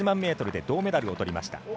１００００ｍで銅メダルをとりました。